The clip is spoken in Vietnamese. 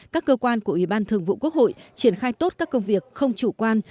các cơ quan của ủy ban thường vụ quốc hội triển khai tốt các công việc không chủ quan